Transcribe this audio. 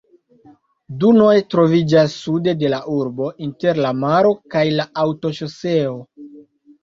Dunoj troviĝas sude de la urbo, inter la maro kaj la aŭtoŝoseo.